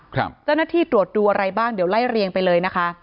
เจ้าหน้าที่ตรวจดูอะไรบ้างเดี๋ยวไล่เรียงไปเลยนะคะ